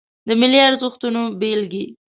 د ملي ارزښتونو بیلګې